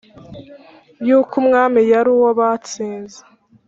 y’uko umwami yari uwo batsinze!